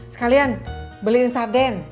sekalian beliin sarden